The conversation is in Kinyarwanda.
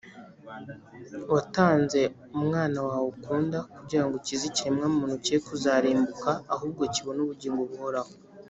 Watanze Umwana wawe ukunda kugira ngo ukize ikiremwamuntu cye kuzarimbuka ahubwo kibone ubugingo buhoraho.